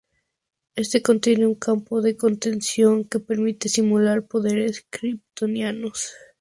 Éste contiene un campo de contención que permite simular poderes kryptonianos.